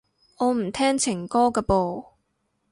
我唔聽情歌㗎噃